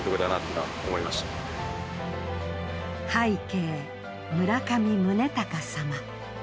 「拝啓村上宗隆様」